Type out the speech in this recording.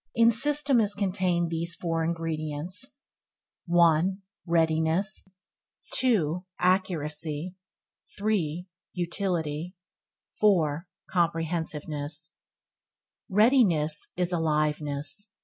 In system is contained these four ingredients: 1. Readiness 2. Reccuracy 3. Utility 4. Comprehensiveness Readiness is aliveness.